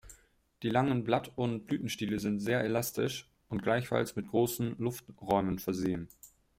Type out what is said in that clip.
Die langen Blatt- und Blütenstiele sind sehr elastisch und gleichfalls mit großen Lufträumen versehen.